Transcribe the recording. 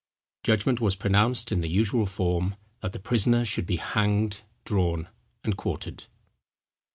Judgment was pronounced in the usual form, that the prisoner should be hanged, drawn, and quartered.